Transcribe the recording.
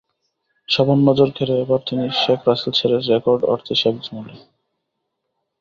সবার নজর কেড়ে এবার তিনি শেখ রাসেল ছেড়ে রেকর্ড অর্থে শেখ জামালে।